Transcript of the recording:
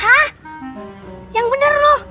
hah yang bener loh